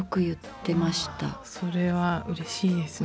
それはうれしいですね。